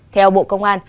theo bộ công an